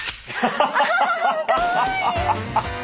かわいい！